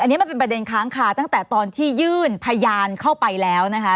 อันนี้มันเป็นประเด็นค้างคาตั้งแต่ตอนที่ยื่นพยานเข้าไปแล้วนะคะ